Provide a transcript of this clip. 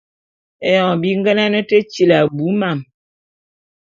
Éyoñg bi ngenane te tili abui mam...